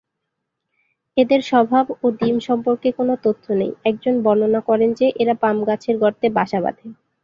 এদের স্বভাব ও ডিম সম্পর্কে কোন তথ্য নেই, একজন বর্ণনা করেন যে এরা পাম গাছের গর্তে বাসা বাঁধে।